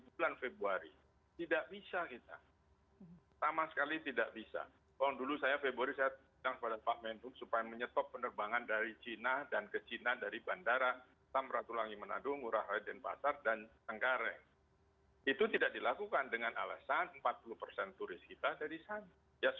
tapi sebenarnya pak dprd sudah memahami tentang pentingnya perda ini